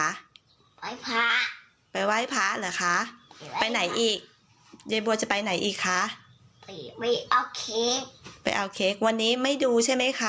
ไหว้พระไปไหว้พระเหรอคะไปไหนอีกยายบัวจะไปไหนอีกคะไม่เอาเค้กไปเอาเค้กวันนี้ไม่ดูใช่ไหมคะ